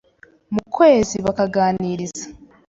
mu kwezi bakaganiriza